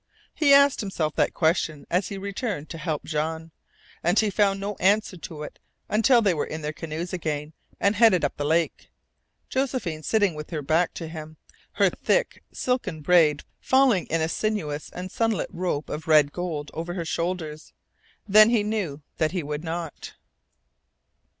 He asked himself that question as he returned to help Jean. And he found no answer to it until they were in their canoes again and headed up the lake, Josephine sitting with her back to him, her thick silken braid falling in a sinuous and sunlit rope of red gold over her shoulders. Then he knew that he would not.